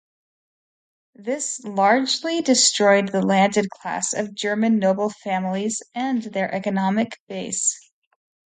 This largely destroyed the landed class of German noble families and their economic base.